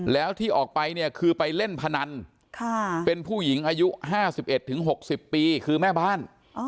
แล้วที่ออกไปเนี่ยคือไปเล่นพนันเป็นผู้หญิงอายุ๕๑๖๐ปีคือแม่บ้าน